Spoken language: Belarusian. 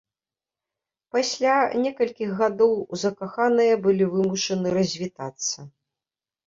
Пасля некалькіх гадоў закаханыя былі вымушаны развітацца.